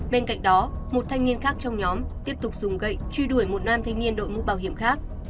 bên cạnh đó một thanh niên khác trong nhóm tiếp tục dùng gậy truy đuổi một nam thanh niên đội mũ bảo hiểm khác